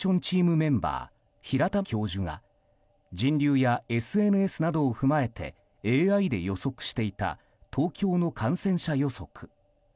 チームメンバー平田教授が人流やＳＮＳなどを踏まえてＡＩで予測していた東京の感染者予測。